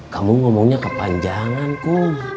kamu ngomongnya kepanjanganku